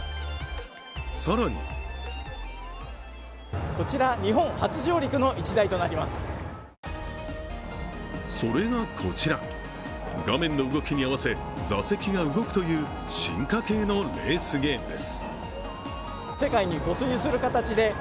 更にそれがこちら、画面の動きに合わせ座席が動くという進化系のレースゲームです。